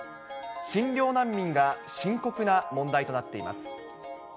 診療難民が深刻な問題となっています。